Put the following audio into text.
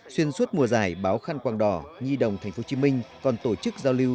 xuyên suốt mùa giải báo khăn quang đỏ nhi đồng tp hcm còn tổ chức giao lưu